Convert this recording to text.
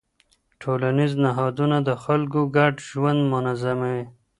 ټولنیز نهادونه د خلکو ګډ ژوند منظموي.